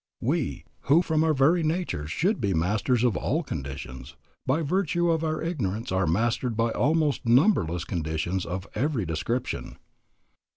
We, who from our very natures should be masters of all conditions, by virtue of our ignorance are mastered by almost numberless conditions of every description.